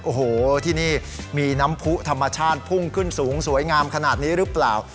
โอ้โหที่นี่มีน้ำผู้ธรรมชาติพุ่งขึ้นสูงสวยงามขนาดนี้หรือเปล่า